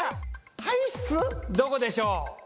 どこでしょう。